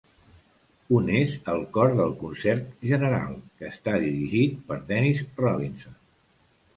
Un és el cor del concert general, que està dirigit per Dennis Robinson.